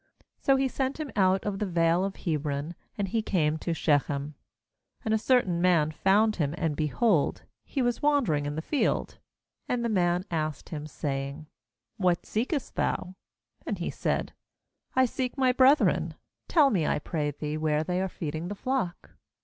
7 So he sent him out of the vale of Hebron, and he came to Shechem. 15And a certain man found him, and, behold, he was wandering in the field. And the man asked him, saying: 'What seekest thou?' 16And he said: 'I seek my brethren. Tell me, I pray thee, where they are feed ing the flock.'